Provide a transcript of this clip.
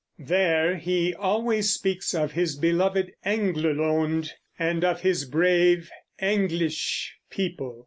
There he always speaks of his beloved "Englelond" and of his brave "Englisc" people.